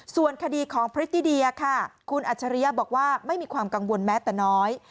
ส่วนคดีของพดคุณอัชริยัยัยบอกว่าไม่มีความกังวลแม้แต่น้อย